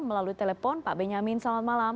melalui telepon pak benyamin selamat malam